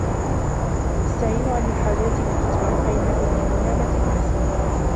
اسْتَعِينُوا عَلَى الْحَاجَاتِ بِالْكِتْمَانِ فَإِنَّ كُلَّ ذِي نِعْمَةٍ مَحْسُودٌ